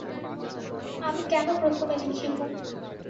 আমি কেন প্রথমে লিখিব।